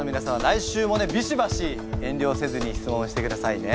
来週もねビシバシ遠慮をせずに質問をしてくださいね。